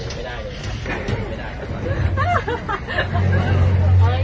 ไม่ได้